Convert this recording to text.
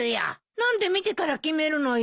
何で見てから決めるのよ。